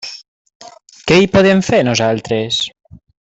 Què hi podem fer, nosaltres?